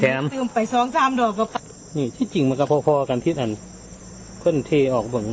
แถมไปสองสามนี่จริงแบบก็พอพอกันทิศอันพึ่งเทออกบัง